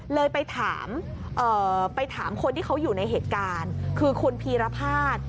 เลยไปถามคนที่เขาอยู่ในเหตุการณ์คือคุณพีรพาท